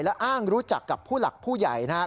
และอ้างรู้จักกับผู้หลักผู้ใหญ่นะครับ